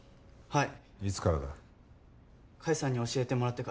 はい。